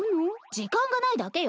時間がないだけよ！